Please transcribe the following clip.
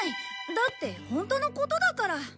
だってホントのことだから。